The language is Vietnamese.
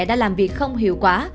đã làm việc không hiệu quả